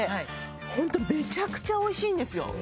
ホントめちゃくちゃ美味しいんですよ！